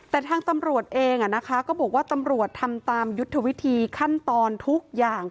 แต่ทางตำรวจเองก็บอกว่าตำรวจทำตามยุทธวิธีขั้นตอนทุกอย่าง